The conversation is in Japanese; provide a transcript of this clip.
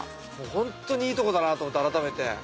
ホントにいいとこだなと思った改めて。